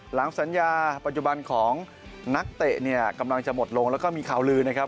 หลังสัญญาปัจจุบันของนักเตะเนี่ยกำลังจะหมดลงแล้วก็มีข่าวลือนะครับ